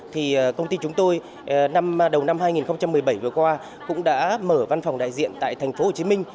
thì công ty chúng tôi đầu năm hai nghìn một mươi bảy vừa qua cũng đã mở văn phòng đại diện tại tp hcm